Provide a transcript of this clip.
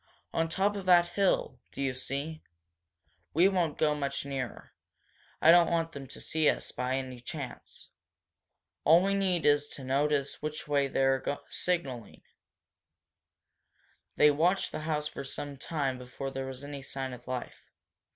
On top of that hill, do you see? We won't go much nearer. I don't want them to see us, by any chance. All we need is to notice which way they're signalling." They watched the house for some time before there was any sign of life.